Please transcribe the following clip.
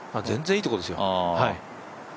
全然いいところですよ。